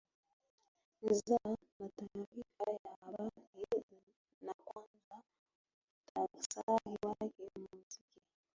nza na taarifa ya habari na kwanza muktasari wake muziki